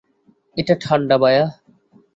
এটা ঠান্ডা, ভায়া।